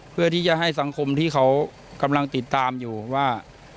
เพื่อที่จะให้สังคมที่เขากำลังติดตามอยู่ว่า